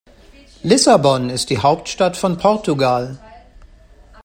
Lissabon ist die Hauptstadt von Portugal.